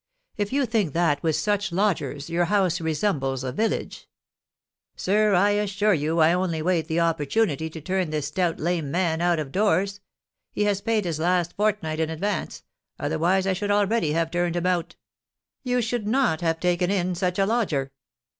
If you think that, with such lodgers, your house resembles a village " "Sir, I assure you I only wait the opportunity to turn this stout lame man out of doors; he has paid his last fortnight in advance, otherwise I should already have turned him out." "You should not have taken in such a lodger."